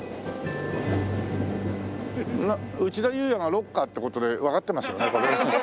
内田裕也がｒｏｃｋｅｒって事でわかってますよね？